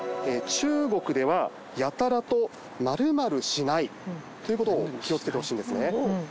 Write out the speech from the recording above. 「中国ではやたらと○○しない！」ということを気を付けてほしいんですね。